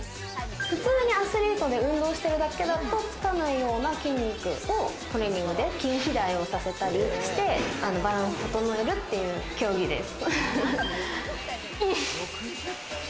普通にアスリートで運動しているだけだと、つかないような筋肉をトレーニングで筋肥大をさせたりしてバランスを整えるっていう競技です。